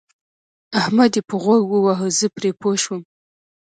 احمد يې په غوږ وواهه زه پرې پوه شوم.